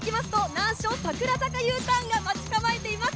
難所・桜坂Ｕターンが待ち構えています。